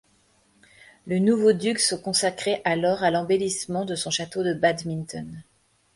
Le nouveau duc se consacrait alors à l'embellissement de son château de Badminton.